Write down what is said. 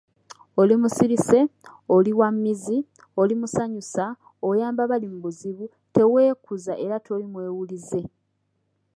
Oli musirise, oli wa mmizzi, oli musanyusa, oyamba abali mu buzibu, teweekuza era toli mwewulize.